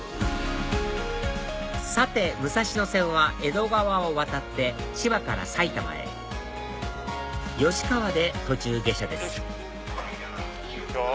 さて武蔵野線は江戸川を渡って千葉から埼玉へ吉川で途中下車です